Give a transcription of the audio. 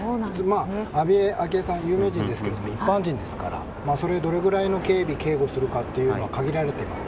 安倍昭恵さんは有名人ですけども一般人ですからどれくらいの警備・警護をするかは限られています。